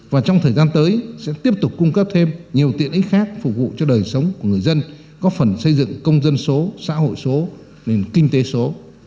và trong thời gian tới sẽ tiếp tục cung cấp thêm nhiều tiện ích khác phục vụ cho đời sống của người dân có phần xây dựng công dân số xã hội số nền kinh tế số